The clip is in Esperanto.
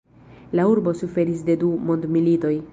La urbo suferis de du mondmilitoj.